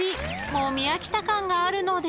もう見飽きた感があるので］